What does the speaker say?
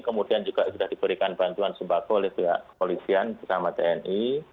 kemudian juga sudah diberikan bantuan sembako oleh pihak kepolisian bersama tni